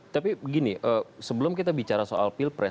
tapi begini sebelum kita bicara soal pilpres